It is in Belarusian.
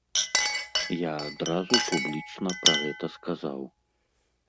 Я адразу публічна пра гэта сказаў.